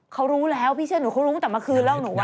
เขารู้แล้วพี่เชื่อหนูเขารู้ตั้งแต่เมื่อคืนแล้วหนูว่า